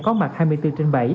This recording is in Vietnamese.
có mặt hai mươi bốn trên bảy